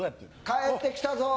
帰ってきたぞ。